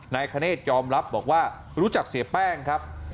คเนธยอมรับบอกว่ารู้จักเสียแป้งครับ